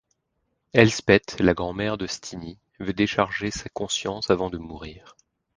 Elspeth, la grand-mère de Steenie, veut décharger sa conscience avant de mourir.